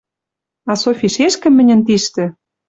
А Софи шешкӹм мӹньӹн тиштӹ